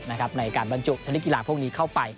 ในการบรรจุชนิดกีฬาพวกนี้เข้าไป